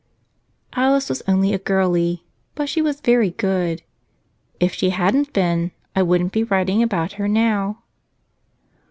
HLICE was only a girlie. But she was very good. If she hadn't been I wouldn't be writ¬ ing about her now.